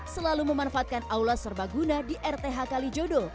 selalu memanfaatkan aula serbaguna di rth kalijodo